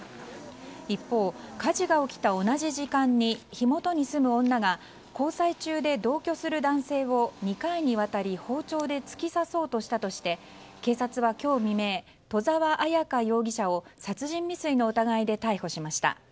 一方、火事が起きた同じ時間に火元に住む女が交際中で同居する男性を２回にわたり包丁で突き刺そうとしたとして警察は今日未明戸沢彩香容疑者を殺人未遂の疑いで逮捕しました。